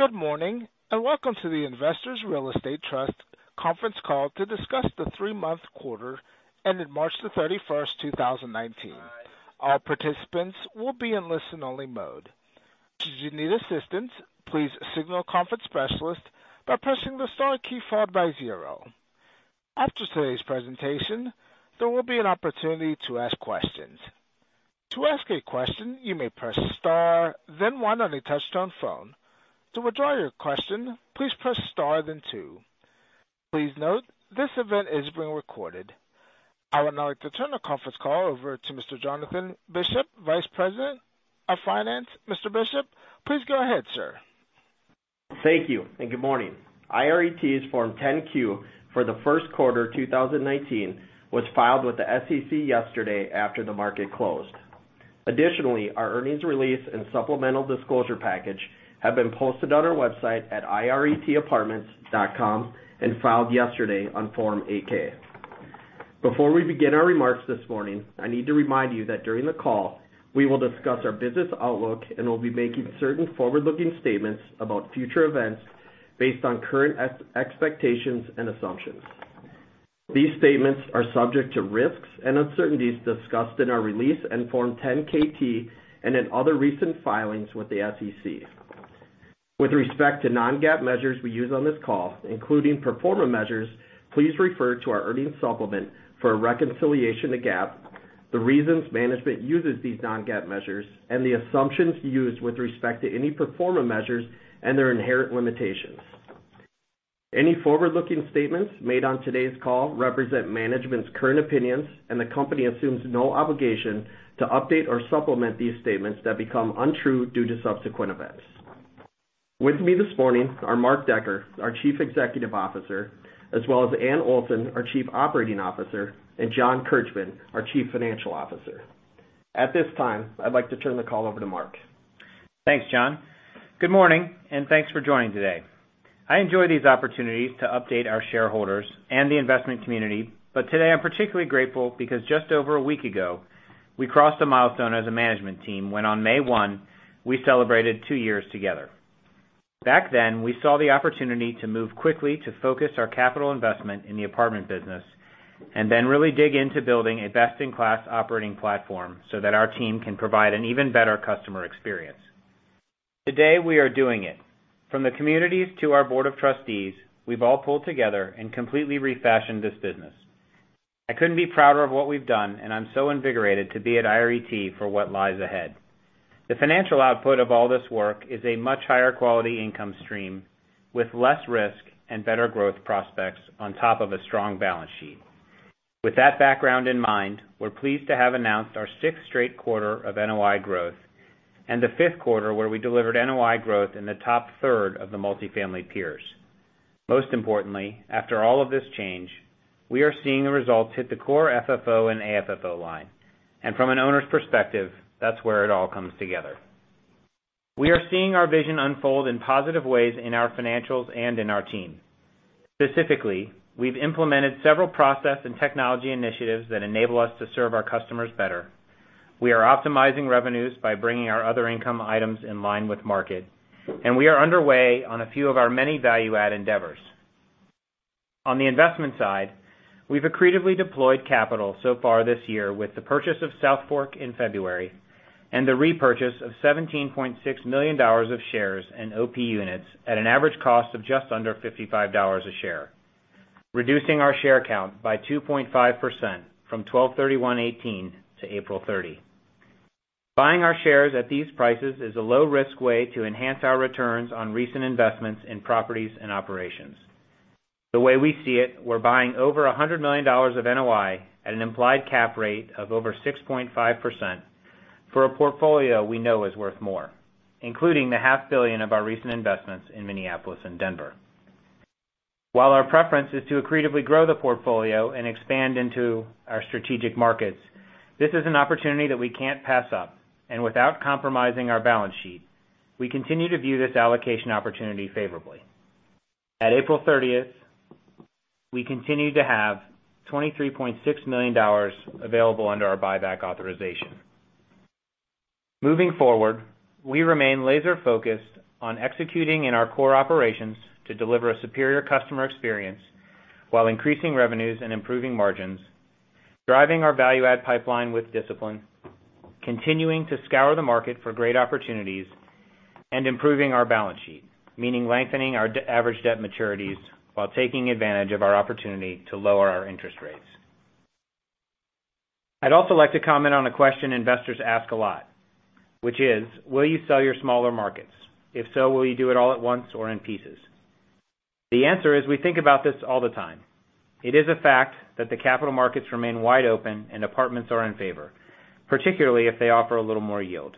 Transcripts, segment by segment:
Good morning, welcome to the Investors Real Estate Trust conference call to discuss the three-month quarter ending March 31st, 2019. All participants will be in listen-only mode. Should you need assistance, please signal a conference specialist by pressing the star key followed by zero. After today's presentation, there will be an opportunity to ask questions. To ask a question, you may press star, then one on a touch-tone phone. To withdraw your question, please press star, then two. Please note, this event is being recorded. I would now like to turn the conference call over to Mr. Jonathan Bishop, Vice President of Finance. Mr. Bishop, please go ahead, sir. Thank you, good morning. IRET's Form 10-Q for the 1st quarter 2019 was filed with the SEC yesterday after the market closed. Our earnings release and supplemental disclosure package have been posted on our website at iretapartments.com and filed yesterday on Form 8-K. Before we begin our remarks this morning, I need to remind you that during the call, we will discuss our business outlook and will be making certain forward-looking statements about future events based on current expectations and assumptions. These statements are subject to risks and uncertainties discussed in our release in Form 10-K and in other recent filings with the SEC. With respect to non-GAAP measures we use on this call, including pro forma measures, please refer to our earnings supplement for a reconciliation to GAAP, the reasons management uses these non-GAAP measures, and the assumptions used with respect to any pro forma measures and their inherent limitations. Any forward-looking statements made on today's call represent management's current opinions, the company assumes no obligation to update or supplement these statements that become untrue due to subsequent events. With me this morning are Mark Decker, our Chief Executive Officer, as well as Anne Olson, our Chief Operating Officer, and John Kirchmann, our Chief Financial Officer. At this time, I'd like to turn the call over to Mark. Thanks, John. Good morning, thanks for joining today. I enjoy these opportunities to update our shareholders and the investment community. Today, I'm particularly grateful because just over a week ago, we crossed a milestone as a management team when on May 1, we celebrated two years together. Back then, we saw the opportunity to move quickly to focus our capital investment in the apartment business and then really dig into building a best-in-class operating platform so that our team can provide an even better customer experience. Today, we are doing it. From the communities to our board of trustees, we've all pulled together and completely refashioned this business. I couldn't be prouder of what we've done, I'm so invigorated to be at IRET for what lies ahead. The financial output of all this work is a much higher quality income stream with less risk and better growth prospects on top of a strong balance sheet. With that background in mind, we're pleased to have announced our sixth straight quarter of NOI growth and the fifth quarter where we delivered NOI growth in the top third of the multifamily peers. Most importantly, after all of this change, we are seeing the results hit the core FFO and AFFO line. From an owner's perspective, that's where it all comes together. We are seeing our vision unfold in positive ways in our financials and in our team. Specifically, we've implemented several process and technology initiatives that enable us to serve our customers better. We are optimizing revenues by bringing our other income items in line with market, and we are underway on a few of our many value add endeavors. On the investment side, we've accretively deployed capital so far this year with the purchase of South Fork in February and the repurchase of $17.6 million of shares and OP units at an average cost of just under $55 a share, reducing our share count by 2.5% from 12/31/2018 to April 30. Buying our shares at these prices is a low-risk way to enhance our returns on recent investments in properties and operations. The way we see it, we're buying over $100 million of NOI at an implied cap rate of over 6.5% for a portfolio we know is worth more, including the half billion of our recent investments in Minneapolis and Denver. While our preference is to accretively grow the portfolio and expand into our strategic markets, this is an opportunity that we can't pass up. Without compromising our balance sheet, we continue to view this allocation opportunity favorably. At April 30th, we continued to have $23.6 million available under our buyback authorization. Moving forward, we remain laser-focused on executing in our core operations to deliver a superior customer experience while increasing revenues and improving margins, driving our value add pipeline with discipline, continuing to scour the market for great opportunities, and improving our balance sheet, meaning lengthening our average debt maturities while taking advantage of our opportunity to lower our interest rates. I'd also like to comment on a question investors ask a lot, which is: Will you sell your smaller markets? If so, will you do it all at once or in pieces? The answer is we think about this all the time. It is a fact that the capital markets remain wide open and apartments are in favor, particularly if they offer a little more yield.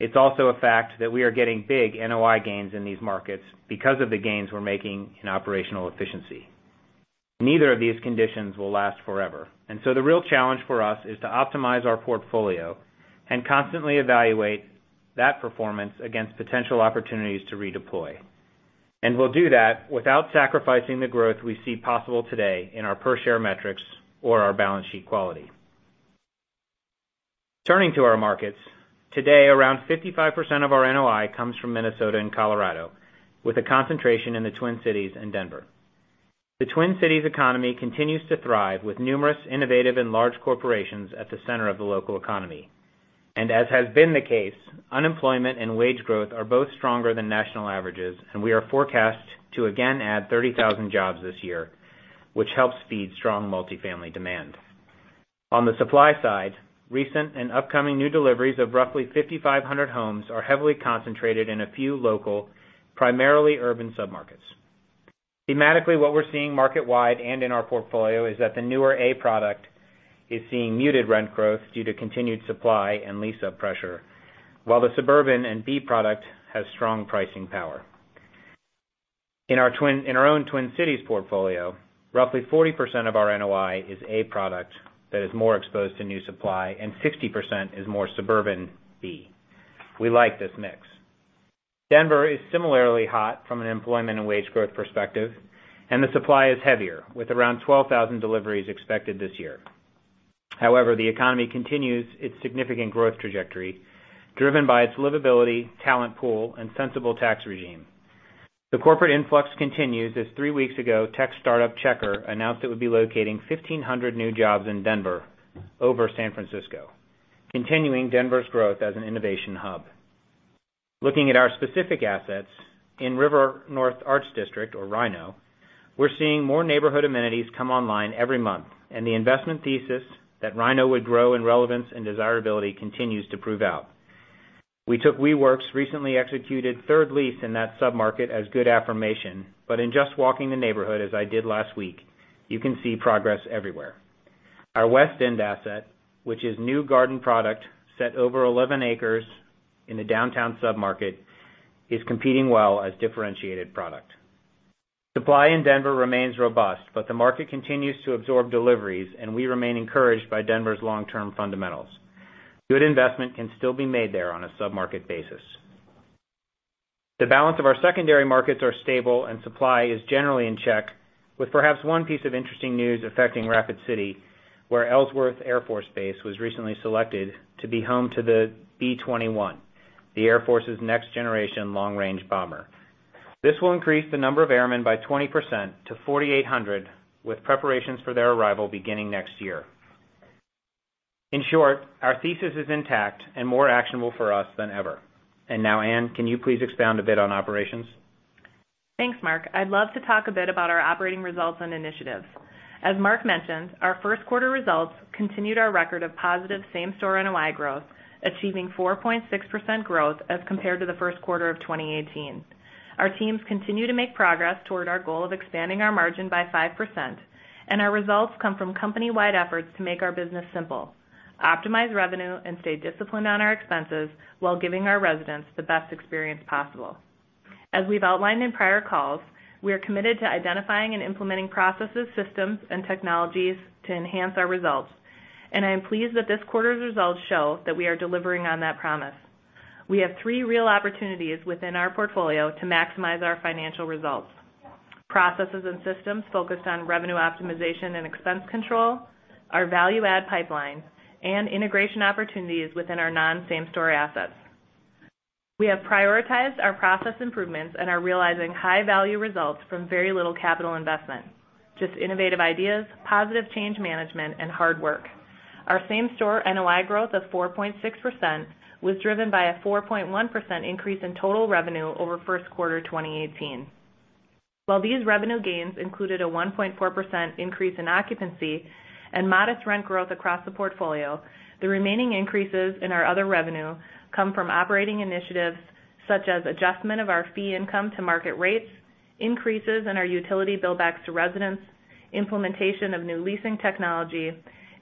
It's also a fact that we are getting big NOI gains in these markets because of the gains we're making in operational efficiency. The real challenge for us is to optimize our portfolio and constantly evaluate that performance against potential opportunities to redeploy. We'll do that without sacrificing the growth we see possible today in our per-share metrics or our balance sheet quality. Turning to our markets, today around 55% of our NOI comes from Minnesota and Colorado, with a concentration in the Twin Cities and Denver. The Twin Cities economy continues to thrive with numerous innovative and large corporations at the center of the local economy. As has been the case, unemployment and wage growth are both stronger than national averages, and we are forecast to again add 30,000 jobs this year, which helps feed strong multifamily demand. On the supply side, recent and upcoming new deliveries of roughly 5,500 homes are heavily concentrated in a few local, primarily urban submarkets. Thematically, what we're seeing market-wide and in our portfolio is that the newer A product is seeing muted rent growth due to continued supply and lease-up pressure, while the suburban and B product has strong pricing power. In our own Twin Cities portfolio, roughly 40% of our NOI is A product that is more exposed to new supply, and 60% is more suburban B. We like this mix. Denver is similarly hot from an employment and wage growth perspective, and the supply is heavier, with around 12,000 deliveries expected this year. The economy continues its significant growth trajectory, driven by its livability, talent pool, and sensible tax regime. The corporate influx continues as three weeks ago, tech startup, Checkr, announced it would be locating 1,500 new jobs in Denver over San Francisco, continuing Denver's growth as an innovation hub. Looking at our specific assets in River North Arts District, or RiNo, we're seeing more neighborhood amenities come online every month, and the investment thesis that RiNo would grow in relevance and desirability continues to prove out. We took WeWork's recently executed third lease in that submarket as good affirmation, but in just walking the neighborhood as I did last week, you can see progress everywhere. Our West End asset, which is new garden product set over 11 acres in the downtown submarket, is competing well as differentiated product. Supply in Denver remains robust, but the market continues to absorb deliveries, and we remain encouraged by Denver's long-term fundamentals. Good investment can still be made there on a submarket basis. The balance of our secondary markets are stable and supply is generally in check with perhaps one piece of interesting news affecting Rapid City, where Ellsworth Air Force Base was recently selected to be home to the B-21, the Air Force's next generation long-range bomber. This will increase the number of airmen by 20% to 4,800 with preparations for their arrival beginning next year. In short, our thesis is intact and more actionable for us than ever. Now, Anne, can you please expound a bit on operations? Thanks, Mark. I'd love to talk a bit about our operating results and initiatives. As Mark mentioned, our first quarter results continued our record of positive same-store NOI growth, achieving 4.6% growth as compared to the first quarter of 2018. Our teams continue to make progress toward our goal of expanding our margin by 5%, and our results come from company-wide efforts to make our business simple, optimize revenue, and stay disciplined on our expenses while giving our residents the best experience possible. As we've outlined in prior calls, we are committed to identifying and implementing processes, systems, and technologies to enhance our results. I am pleased that this quarter's results show that we are delivering on that promise. We have three real opportunities within our portfolio to maximize our financial results. Processes and systems focused on revenue optimization and expense control, our value add pipeline, and integration opportunities within our non-same-store assets. We have prioritized our process improvements and are realizing high-value results from very little capital investment. Just innovative ideas, positive change management, and hard work. Our same-store NOI growth of 4.6% was driven by a 4.1% increase in total revenue over first quarter 2018. While these revenue gains included a 1.4% increase in occupancy and modest rent growth across the portfolio, the remaining increases in our other revenue come from operating initiatives such as adjustment of our fee income to market rates, increases in our utility bill backs to residents, implementation of new leasing technology,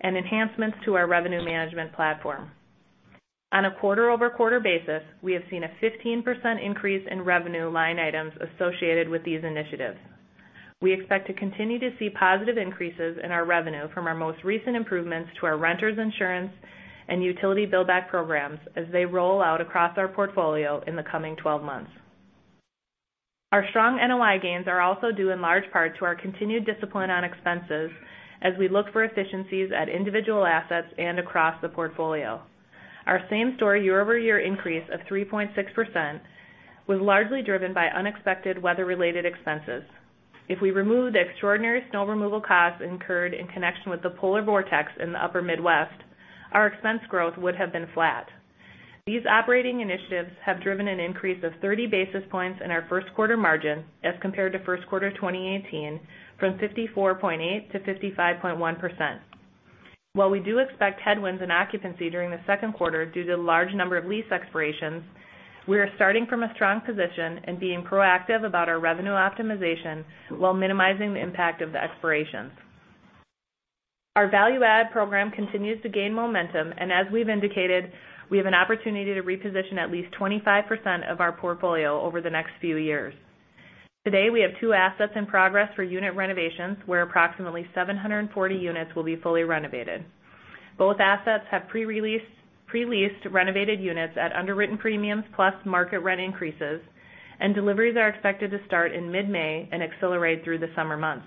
and enhancements to our revenue management platform. On a quarter-over-quarter basis, we have seen a 15% increase in revenue line items associated with these initiatives. We expect to continue to see positive increases in our revenue from our most recent improvements to our renters insurance and utility bill back programs as they roll out across our portfolio in the coming 12 months. Our strong NOI gains are also due in large part to our continued discipline on expenses as we look for efficiencies at individual assets and across the portfolio. Our same-store year-over-year increase of 3.6% was largely driven by unexpected weather-related expenses. If we remove the extraordinary snow removal costs incurred in connection with the polar vortex in the upper Midwest, our expense growth would have been flat. These operating initiatives have driven an increase of 30 basis points in our first quarter margin as compared to first quarter 2018 from 54.8% to 55.1%. While we do expect headwinds in occupancy during the second quarter due to the large number of lease expirations, we are starting from a strong position and being proactive about our revenue optimization while minimizing the impact of the expirations. Our value add program continues to gain momentum, and as we've indicated, we have an opportunity to reposition at least 25% of our portfolio over the next few years. Today, we have two assets in progress for unit renovations where approximately 740 units will be fully renovated. Both assets have pre-leased renovated units at underwritten premiums plus market rent increases, and deliveries are expected to start in mid-May and accelerate through the summer months.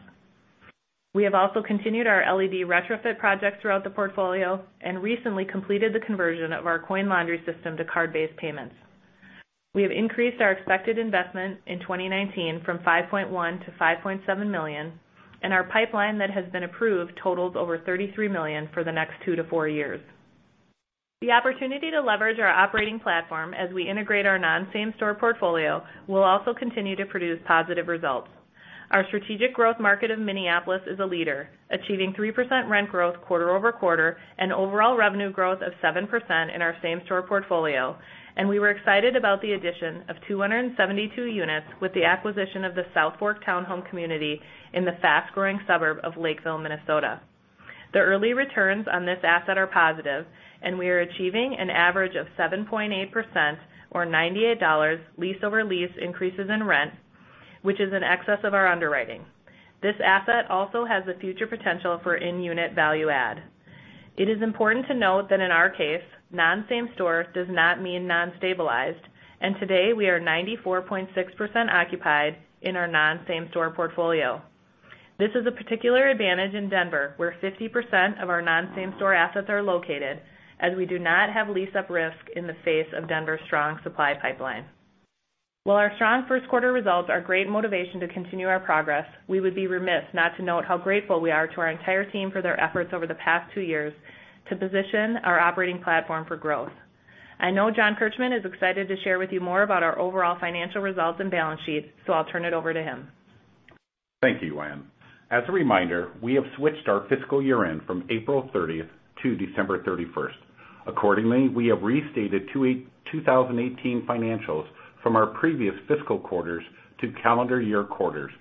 We have also continued our LED retrofit projects throughout the portfolio and recently completed the conversion of our coin laundry system to card-based payments. We have increased our expected investment in 2019 from $5.1 million to $5.7 million, and our pipeline that has been approved totals over $33 million for the next two to four years. The opportunity to leverage our operating platform as we integrate our non-same-store portfolio will also continue to produce positive results. Our strategic growth market of Minneapolis is a leader, achieving 3% rent growth quarter-over-quarter and overall revenue growth of 7% in our same-store portfolio, and we were excited about the addition of 272 units with the acquisition of the South Fork Townhomes community in the fast-growing suburb of Lakeville, Minnesota. The early returns on this asset are positive, and we are achieving an average of 7.8%, or $98 lease-over-lease increases in rent, which is in excess of our underwriting. This asset also has the future potential for in-unit value add. It is important to note that in our case, non-same store does not mean non-stabilized, and today we are 94.6% occupied in our non-same store portfolio. This is a particular advantage in Denver, where 50% of our non-same store assets are located, as we do not have lease-up risk in the face of Denver's strong supply pipeline. While our strong first quarter results are great motivation to continue our progress, we would be remiss not to note how grateful we are to our entire team for their efforts over the past two years to position our operating platform for growth. I know John A. Kirchmann is excited to share with you more about our overall financial results and balance sheets, I'll turn it over to him. Thank you, Anne. As a reminder, we have switched our fiscal year-end from April 30th to December 31st. Accordingly, we have restated 2018 financials from our previous fiscal quarters to calendar year quarters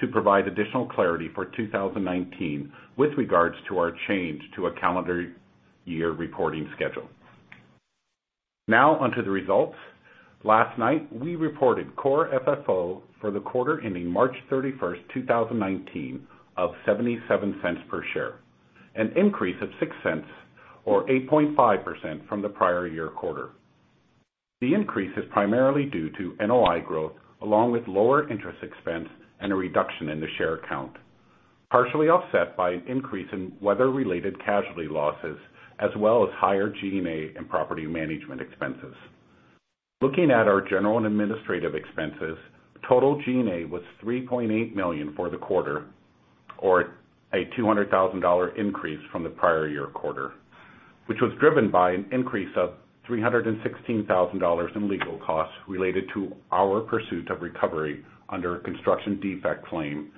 to provide additional clarity for 2019 with regards to our change to a calendar year reporting schedule. Now on to the results. Last night, we reported core FFO for the quarter ending March 31st, 2019, of $0.77 per share, an increase of $0.06 or 8.5% from the prior year quarter. The increase is primarily due to NOI growth, along with lower interest expense and a reduction in the share count, partially offset by an increase in weather-related casualty losses, as well as higher G&A and property management expenses. Looking at our general and administrative expenses, total G&A was $3.8 million for the quarter, or a $200,000 increase from the prior year quarter, which was driven by an increase of $316,000 in legal costs related to our pursuit of recovery under a construction defect claim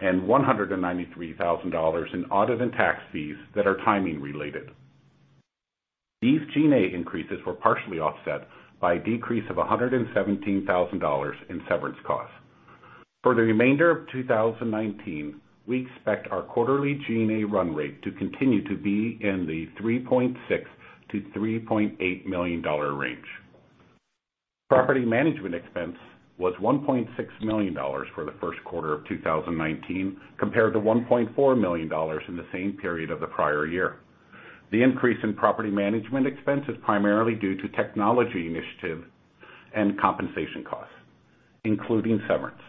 and $193,000 in audit and tax fees that are timing related. These G&A increases were partially offset by a decrease of $117,000 in severance costs. For the remainder of 2019, we expect our quarterly G&A run rate to continue to be in the $3.6 million-$3.8 million range. Property management expense was $1.6 million for the first quarter of 2019, compared to $1.4 million in the same period of the prior year. The increase in property management expense is primarily due to technology initiative and compensation costs, including severance.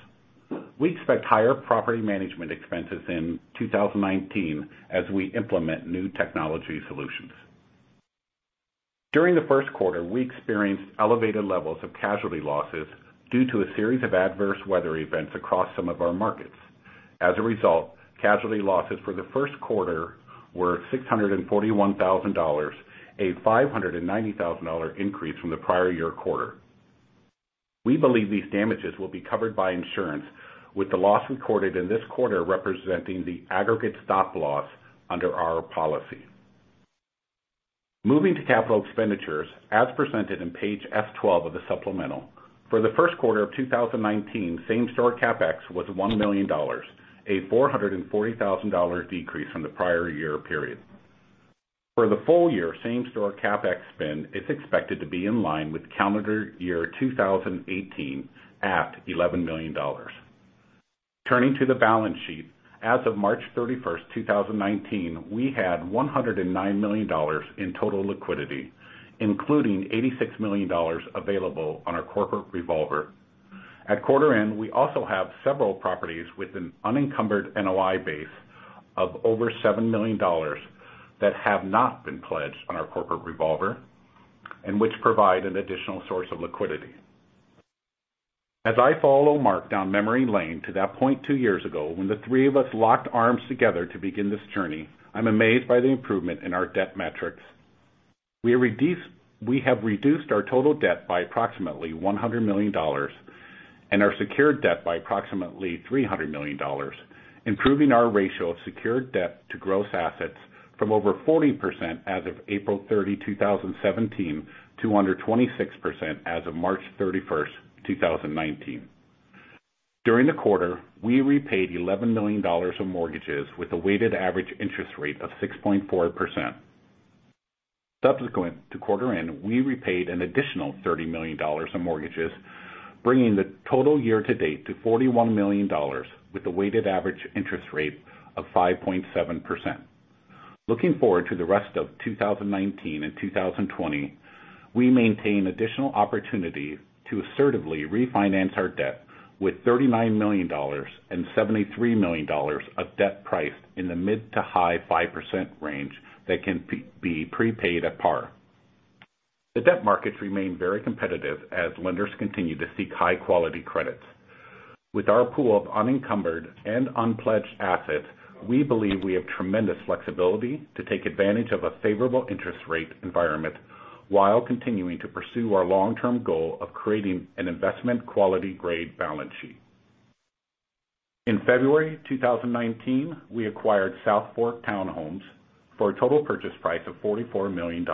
We expect higher property management expenses in 2019 as we implement new technology solutions. During the first quarter, we experienced elevated levels of casualty losses due to a series of adverse weather events across some of our markets. As a result, casualty losses for the first quarter were $641,000, a $590,000 increase from the prior year quarter. We believe these damages will be covered by insurance, with the loss recorded in this quarter representing the aggregate stop loss under our policy. Moving to capital expenditures, as presented in page F12 of the supplemental. For the first quarter of 2019, same-store CapEx was $1 million, a $440,000 decrease from the prior year period. For the full year, same-store CapEx spend is expected to be in line with calendar year 2018 at $11 million. Turning to the balance sheet, as of March 31st, 2019, we had $109 million in total liquidity, including $86 million available on our corporate revolver. At quarter end, we also have several properties with an unencumbered NOI base of over $7 million that have not been pledged on our corporate revolver and which provide an additional source of liquidity. As I follow Mark down memory lane to that point two years ago, when the three of us locked arms together to begin this journey, I'm amazed by the improvement in our debt metrics. We have reduced our total debt by approximately $100 million and our secured debt by approximately $300 million, improving our ratio of secured debt to gross assets from over 40% as of April 30, 2017, to under 26% as of March 31st, 2019. During the quarter, we repaid $11 million of mortgages with a weighted average interest rate of 6.4%. Subsequent to quarter end, we repaid an additional $30 million in mortgages, bringing the total year-to-date to $41 million with a weighted average interest rate of 5.7%. Looking forward to the rest of 2019 and 2020, we maintain additional opportunities to assertively refinance our debt with $39 million and $73 million of debt priced in the mid to high 5% range that can be prepaid at par. The debt markets remain very competitive as lenders continue to seek high-quality credits. With our pool of unencumbered and unpledged assets, we believe we have tremendous flexibility to take advantage of a favorable interest rate environment while continuing to pursue our long-term goal of creating an investment quality grade balance sheet. In February 2019, we acquired South Fork Townhomes for a total purchase price of $44 million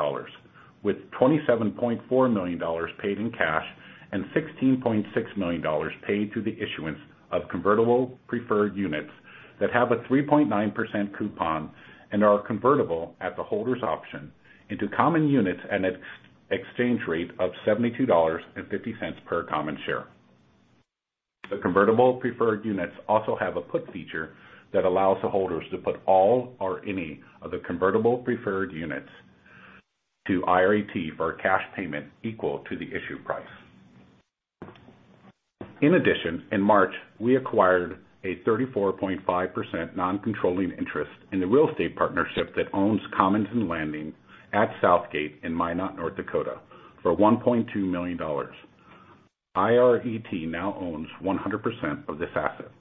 with $27.4 million paid in cash and $16.6 million paid to the issuance of convertible preferred units that have a 3.9% coupon and are convertible at the holder's option into common units at an exchange rate of $72.50 per common share. The convertible preferred units also have a put feature that allows the holders to put all or any of the convertible preferred units to IRET for a cash payment equal to the issue price. In addition, in March, we acquired a 34.5% non-controlling interest in the real estate partnership that owns Landing at Southgate in Minot, North Dakota, for $1.2 million. IRET now owns 100% of this asset.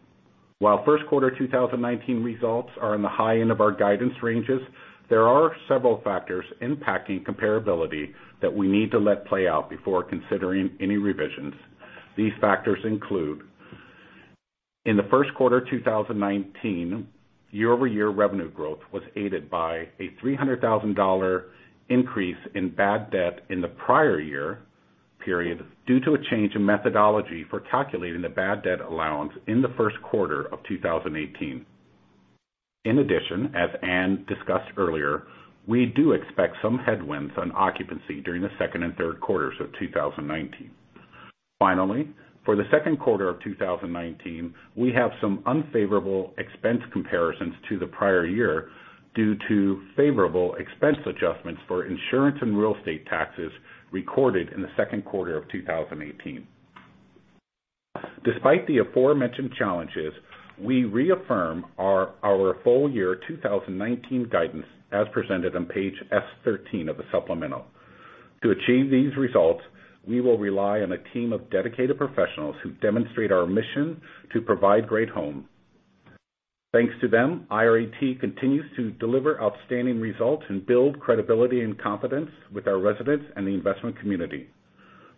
While first quarter 2019 results are in the high end of our guidance ranges, there are several factors impacting comparability that we need to let play out before considering any revisions. These factors include, in the first quarter 2019, year-over-year revenue growth was aided by a $300,000 increase in bad debt in the prior year period due to a change in methodology for calculating the bad debt allowance in the first quarter of 2018. In addition, as Anne discussed earlier, we do expect some headwinds on occupancy during the second and third quarters of 2019. Finally, for the second quarter of 2019, we have some unfavorable expense comparisons to the prior year due to favorable expense adjustments for insurance and real estate taxes recorded in the second quarter of 2018. Despite the aforementioned challenges, we reaffirm our full year 2019 guidance as presented on page S13 of the supplemental. To achieve these results, we will rely on a team of dedicated professionals who demonstrate our mission to provide great homes. Thanks to them, IRET continues to deliver outstanding results and build credibility and confidence with our residents and the investment community.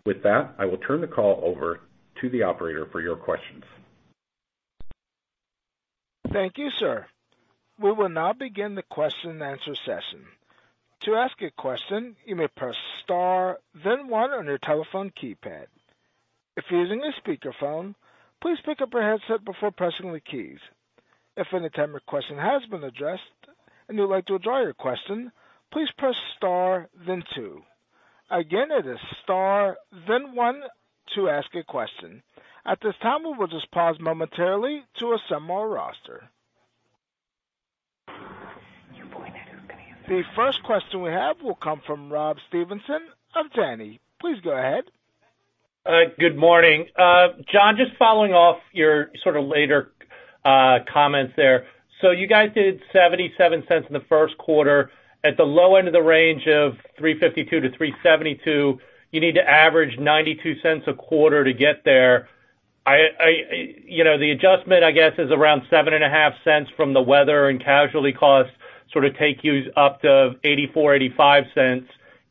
With that, I will turn the call over to the operator for your questions. Thank you, sir. We will now begin the question and answer session. To ask a question, you may press star then one on your telephone keypad. If you're using a speakerphone, please pick up your handset before pressing the keys. If at any time your question has been addressed, and you'd like to withdraw your question, please press star then two. Again, it is star then one to ask a question. At this time, we will just pause momentarily to assemble our roster. Your boy network gonna hear about this. The first question we have will come from Rob Stevenson of Janney. Please go ahead. Good morning. John Kirchmann, just following off your sort of later comments there. You guys did $0.77 in the first quarter at the low end of the range of $3.52-$3.72. You need to average $0.92 a quarter to get there. The adjustment, I guess, is around $0.075 from the weather and casualty costs, sort of take you up to $0.84-$0.85,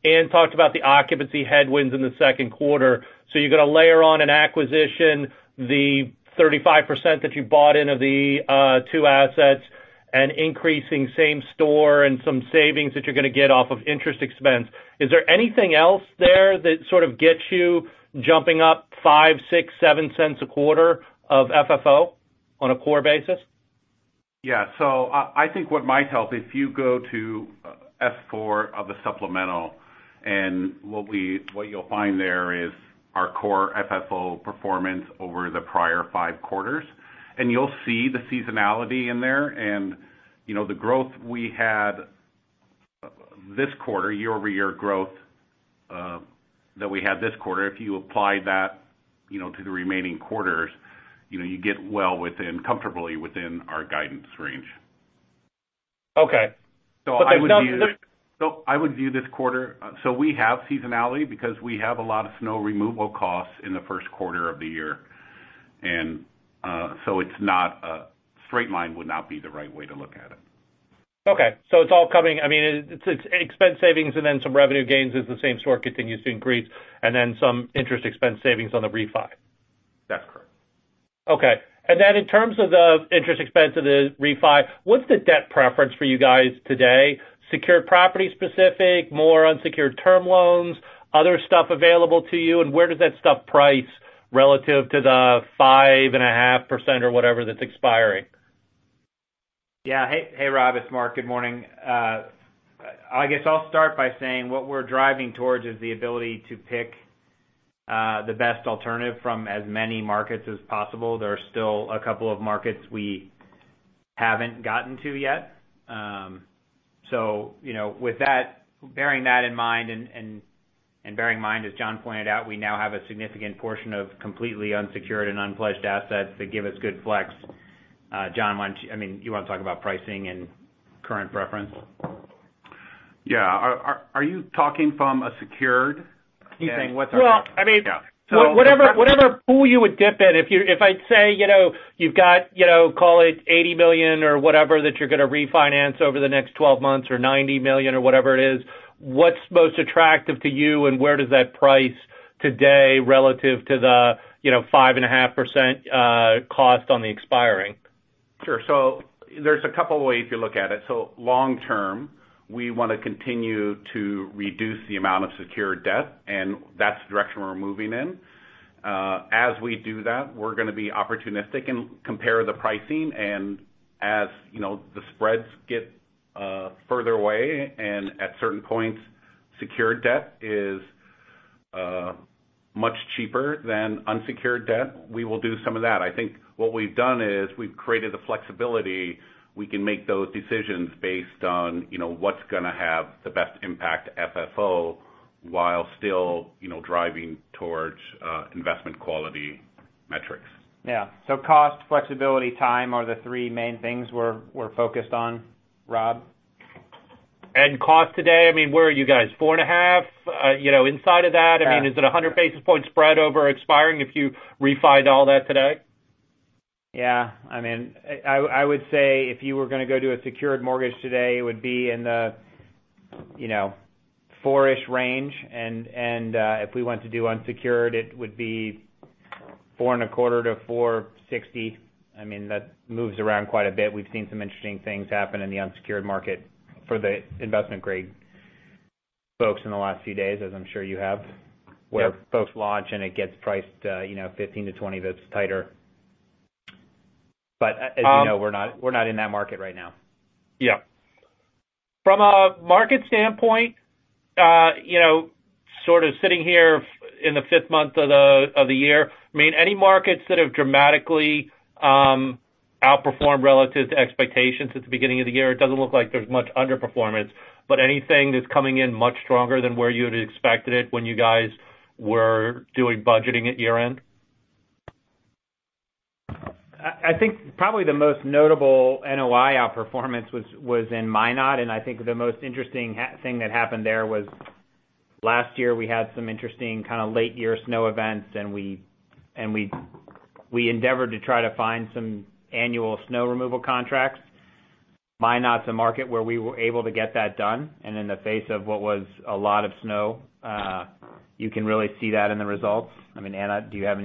and talked about the occupancy headwinds in the second quarter. You're going to layer on an acquisition, the 35% that you bought in of the two assets and increasing same store and some savings that you're going to get off of interest expense. Is there anything else there that sort of gets you jumping up $0.05-$0.07 a quarter of FFO on a core basis? Yeah. I think what might help if you go to S4 of the supplemental and what you'll find there is our core FFO performance over the prior five quarters, and you'll see the seasonality in there and the growth we had this quarter, year-over-year growth that we had this quarter. If you apply that to the remaining quarters, you get well within, comfortably within our guidance range. Okay. I would view this quarter We have seasonality because we have a lot of snow removal costs in the first quarter of the year, straight line would not be the right way to look at it. Okay. It's all coming, it's expense savings and then some revenue gains as the same-store continues to increase, and then some interest expense savings on the refi. That's correct. Okay. In terms of the interest expense of the refi, what's the debt preference for you guys today? Secured property specific, more unsecured term loans, other stuff available to you? Where does that stuff price relative to the 5.5% or whatever that's expiring? Yeah. Hey, Rob. It's Mark. Good morning. I guess I'll start by saying what we're driving towards is the ability to pick the best alternative from as many markets as possible. There are still a couple of markets we haven't gotten to yet. Bearing that in mind and bearing in mind, as John pointed out, we now have a significant portion of completely unsecured and unpledged assets that give us good flex. John, you want to talk about pricing and current preference? Yeah. Are you talking from a secured standpoint? He's saying what's our-. Well, whatever pool you would dip in. If I'd say, you've got, call it $80 million or whatever that you're going to refinance over the next 12 months or $90 million or whatever it is, what's most attractive to you, and where does that price today relative to the 5.5% cost on the expiring? Sure. There's a couple of ways you look at it. Long term, we want to continue to reduce the amount of secured debt, and that's the direction we're moving in. As we do that, we're going to be opportunistic and compare the pricing, and as the spreads get further away and at certain points, secured debt is much cheaper than unsecured debt, we will do some of that. I think what we've done is we've created the flexibility. We can make those decisions based on what's going to have the best impact to FFO while still driving towards investment-quality metrics. Yeah. Cost, flexibility, time are the three main things we're focused on, Rob? Cost today, where are you guys, 4.5%? Inside of that, is it 100 basis point spread over expiring if you refi'd all that today? Yeah. I would say if you were going to go do a secured mortgage today, it would be in the 4-ish range. If we went to do unsecured, it would be 4.25%-4.60%. That moves around quite a bit. We've seen some interesting things happen in the unsecured market for the investment grade folks in the last few days, as I'm sure you have, where folks launch and it gets priced 15-20 bits tighter. As you know, we're not in that market right now. Yeah. From a market standpoint, sort of sitting here in the fifth month of the year, any markets that have dramatically outperformed relative to expectations at the beginning of the year? It doesn't look like there's much underperformance, but anything that's coming in much stronger than where you would've expected it when you guys were doing budgeting at year-end? I think probably the most notable NOI outperformance was in Minot. I think the most interesting thing that happened there was last year, we had some interesting kind of late-year snow events. We endeavored to try to find some annual snow removal contracts. Minot's a market where we were able to get that done. In the face of what was a lot of snow, you can really see that in the results. Anne, do you have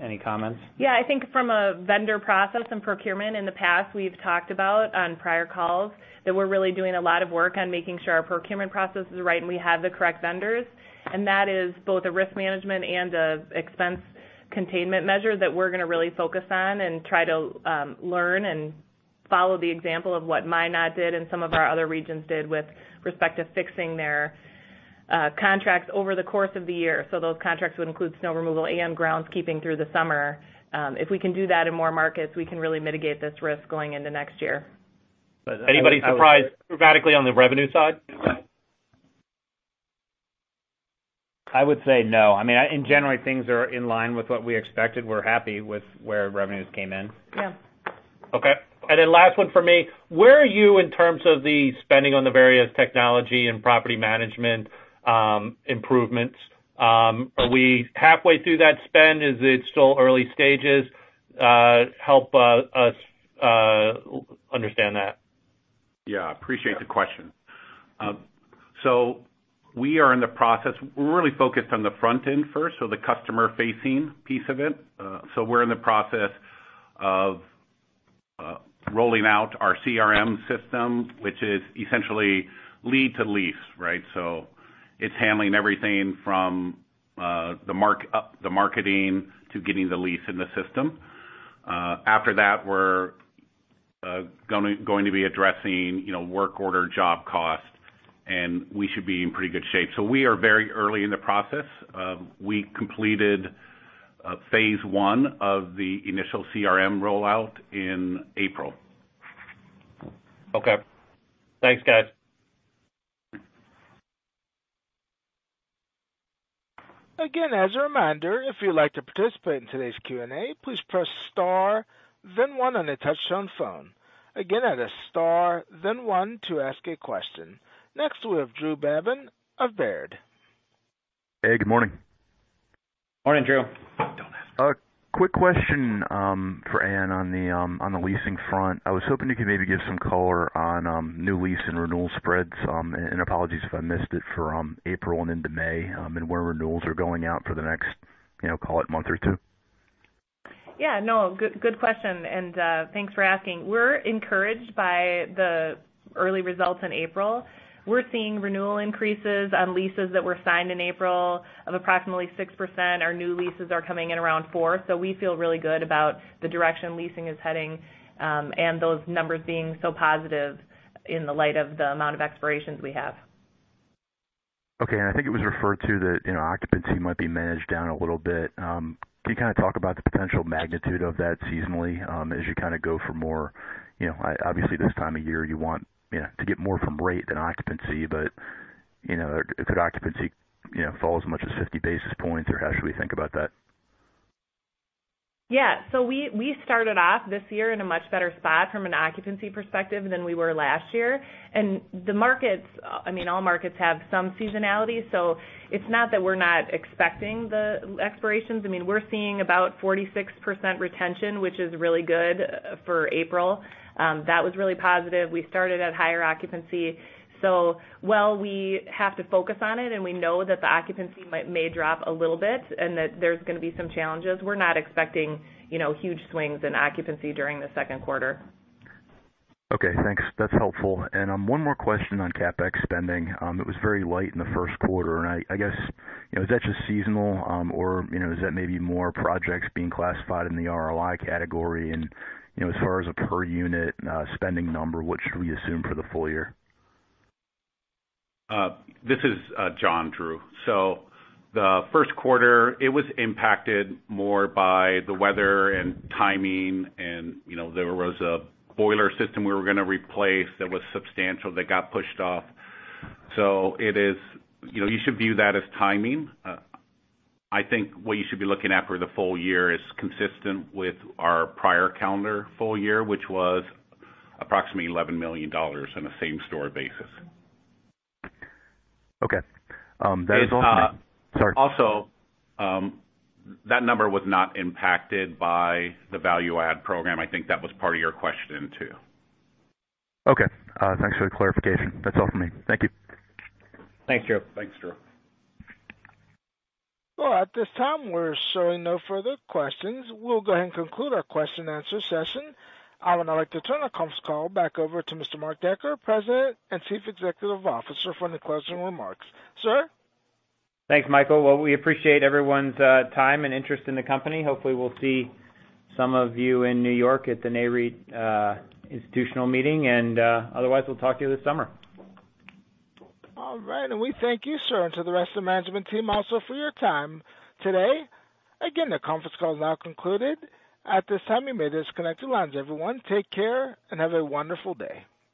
any comments? I think from a vendor process and procurement in the past, we've talked about on prior calls that we're really doing a lot of work on making sure our procurement process is right and we have the correct vendors, and that is both a risk management and an expense containment measure that we're going to really focus on and try to learn and follow the example of what Minot did and some of our other regions did with respect to fixing their contracts over the course of the year. Those contracts would include snow removal and groundskeeping through the summer. If we can do that in more markets, we can really mitigate this risk going into next year. But I would- Anybody surprised dramatically on the revenue side? I would say no. In general, things are in line with what we expected. We're happy with where revenues came in. Yeah. Okay. Last one from me. Where are you in terms of the spending on the various technology and property management improvements? Are we halfway through that spend? Is it still early stages? Help us understand that. Yeah, appreciate the question. We are in the process. We're really focused on the front end first, so the customer-facing piece of it. We're in the process of rolling out our CRM system, which is essentially lead to lease, right? It's handling everything from the marketing to getting the lease in the system. After that, we're going to be addressing work order job cost, we should be in pretty good shape. We are very early in the process. We completed phase 1 of the initial CRM rollout in April. Okay. Thanks, guys. Again, as a reminder, if you'd like to participate in today's Q&A, please press star, then one on a touch-tone phone. Again, that is star, then one to ask a question. Next, we have Drew Babin of Baird. Hey, good morning. Morning, Drew. A quick question for Anne on the leasing front. I was hoping you could maybe give some color on new lease and renewal spreads, and apologies if I missed it, from April and into May, and where renewals are going out for the next, call it month or two. Yeah, no, good question, and thanks for asking. We are encouraged by the early results in April. We are seeing renewal increases on leases that were signed in April of approximately 6%. Our new leases are coming in around 4%. We feel really good about the direction leasing is heading, and those numbers being so positive in light of the amount of expirations we have. Okay. I think it was referred to that occupancy might be managed down a little bit. Can you talk about the potential magnitude of that seasonally as you go for more? Obviously this time of year, you want to get more from rate than occupancy, but could occupancy fall as much as 50 basis points, or how should we think about that? Yeah. We started off this year in a much better spot from an occupancy perspective than we were last year. All markets have some seasonality, so it is not that we are not expecting the expirations. We are seeing about 46% retention, which is really good for April. That was really positive. We started at higher occupancy. While we have to focus on it and we know that the occupancy may drop a little bit and that there is going to be some challenges, we are not expecting huge swings in occupancy during the second quarter. Okay, thanks. That is helpful. One more question on CapEx spending. It was very light in the first quarter, and I guess, is that just seasonal, or is that maybe more projects being classified in the RLI category? As far as a per unit spending number, what should we assume for the full year? This is John, Drew. The first quarter, it was impacted more by the weather and timing, and there was a boiler system we were going to replace that was substantial that got pushed off. You should view that as timing. I think what you should be looking at for the full year is consistent with our prior calendar full year, which was approximately $11 million on a same-store basis. Okay. That is all for me. Sorry. Also, that number was not impacted by the value add program. I think that was part of your question, too. Okay. Thanks for the clarification. That's all for me. Thank you. Thank you. Thanks, Drew. Well, at this time, we're showing no further questions. We'll go ahead and conclude our question and answer session. I would now like to turn the conference call back over to Mr. Mark Decker, President and Chief Executive Officer, for any closing remarks. Sir? Thanks, Michael. Well, we appreciate everyone's time and interest in the company. Hopefully, we'll see some of you in New York at the Nareit institutional meeting, otherwise, we'll talk to you this summer. All right. We thank you, sir, and to the rest of the management team also for your time today. Again, the conference call is now concluded. At this time, you may disconnect your lines. Everyone, take care and have a wonderful day.